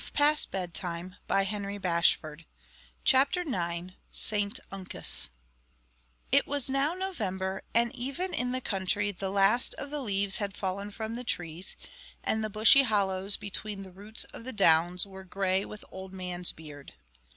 ST UNCUS [Illustration: Doris and St Uncus] IX ST UNCUS It was now November, and even in the country the last of the leaves had fallen from the trees, and the bushy hollows between the roots of the downs were grey with old man's beard.